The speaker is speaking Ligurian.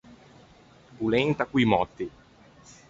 Polenta co-i mòtti.